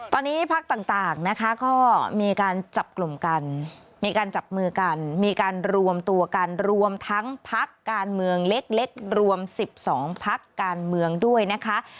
ตอนนี้พักต่างนะคะก็มีการจับกลุ่มกันมีการจับมือกันมีการรวมตัวกันรวมทั้งพักการเมืองเล็กรวม๑๒พักการเมืองด้วยนะคะ